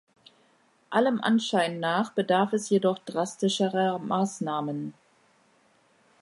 Allem Anschein nach bedarf es jedoch drastischerer Maßnahmen.